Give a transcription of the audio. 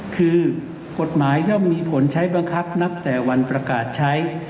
คือกฎหมายย่อมมีผลใช้บังคับนับแต่วันประกาศใช้